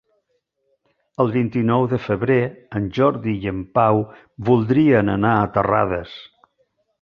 El vint-i-nou de febrer en Jordi i en Pau voldrien anar a Terrades.